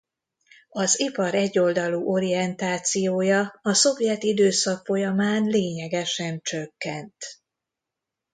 Az ipar egyoldalú orientációja a szovjet időszak folyamán lényegesen csökkent.